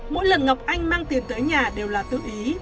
mỗi lần ngọc anh mang tiền tới nhà đều là tự ý